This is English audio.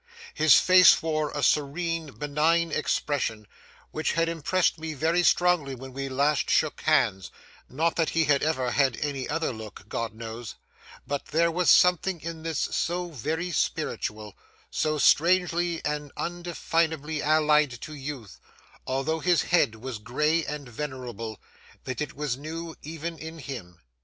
His face wore a serene, benign expression, which had impressed me very strongly when we last shook hands; not that he had ever had any other look, God knows; but there was something in this so very spiritual, so strangely and indefinably allied to youth, although his head was gray and venerable, that it was new even in him.